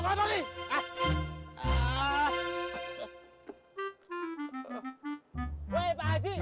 bayar dulu pak haji